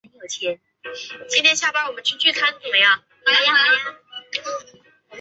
同时全作中的可攻略角色也均为女性。